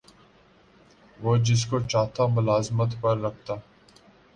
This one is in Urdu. وہ جس کو چاہتا ملازمت پر رکھتا